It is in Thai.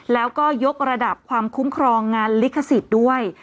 แล้วก็ยกระดับความคุ้มครองงานลิขสิทธิ์ด้วย